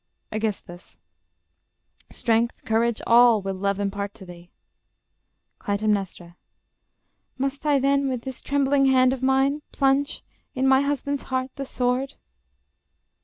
... Aegis. Strength, courage, all, will love impart to thee. Cly. Must I then with this trembling hand of mine Plunge ... in my husband's heart ... the sword?